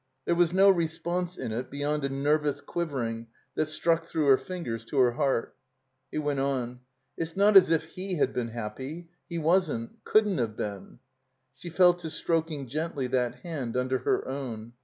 There was no response in it beyond a nervous quivering that struck through her fingers to her heart. He went on. "It's not as if ^ had been happy. He wasn't. Couldn't have been." She fell to stroking gently that hand tmder her own.